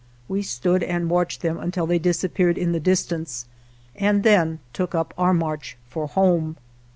We stood and watched them until they disappeared in the distance, and then took up our march for home.